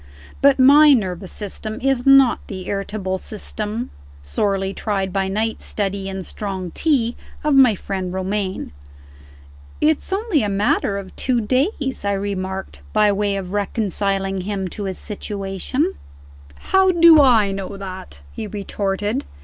But my nervous system is not the irritable system sorely tried by night study and strong tea of my friend Romayne. "It's only a matter of two days," I remarked, by way of reconciling him to his situation. "How do I know that?" he retorted.